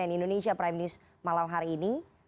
dan indonesia prime news malam hari ini